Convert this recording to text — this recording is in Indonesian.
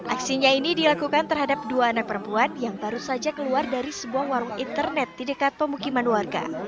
aksinya ini dilakukan terhadap dua anak perempuan yang baru saja keluar dari sebuah warung internet di dekat pemukiman warga